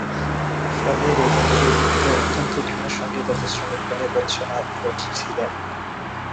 ফলে রেগেমেগে ভুট্টো অত্যন্ত ঘৃণার সঙ্গে তাদের শ্রমিক বলে ভর্ৎসনা করেছিলেন।